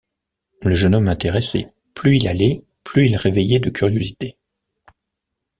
Le jeune homme intéressait: plus il allait, plus il réveillait de curiosités.